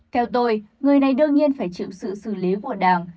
theo tôi người này đương nhiên phải chịu sự xử lý của đảng